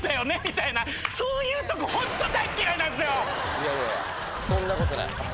いやいやそんなことない。